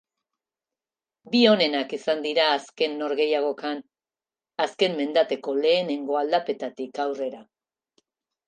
Bi onenak izan dira azken norgehiagokan, azken mendateko lehenengo aldapetatik aurrera.